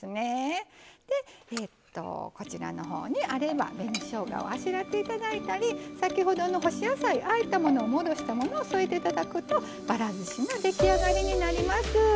こちらのほうにあれば、紅しょうがをあしらっていただいたり先ほどの干し野菜あえたものを戻したものを添えていただくとばらずしが出来上がります。